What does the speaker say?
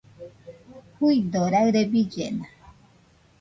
Juido, raɨre billena